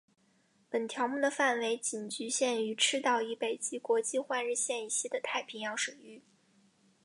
本条目的范围仅局限于赤道以北及国际换日线以西的太平洋水域。